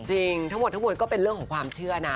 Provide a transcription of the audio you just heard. จริงทั้งหมดทั้งมวลก็เป็นเรื่องของความเชื่อนะ